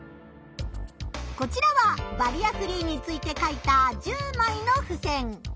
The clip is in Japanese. こちらはバリアフリーについて書いた１０枚のふせん。